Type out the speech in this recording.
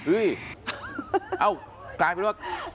เอ้ากลายไปด้วยว่า